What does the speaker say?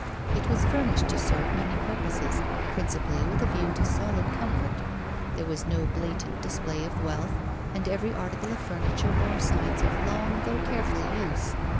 It was furnished to serve many purposes, principally with a view to solid comfort. There was no blatant display of wealth, and every article of furniture bore signs of long though careful use.